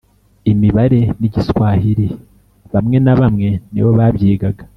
imibare n'igiswahili bamwe na bamwe nibo babyigaga.